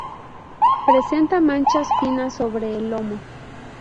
Presenta manchas finas sobre el lomo.